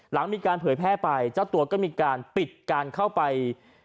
หลังมีการเผยแพร่ไปเจ้าตัวก็มีการปิดการเข้าไป